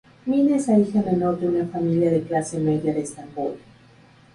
Mine es la hija menor de una familia de clase media de Estambul.